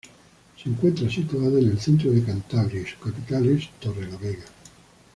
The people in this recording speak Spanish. Se encuentra situada en el centro de Cantabria y su capital es Torrelavega.